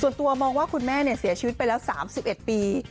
ส่วนตัวมองว่าคุณแม่เนี่ยเสียชีวิตไปแล้ว๓๑ปี